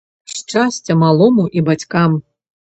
Шчасця малому і бацькам!